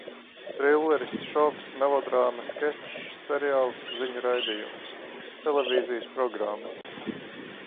Trilleris, šovs, melodrāma, skečs, seriāls, ziņu raidījums. Televīzijas programma.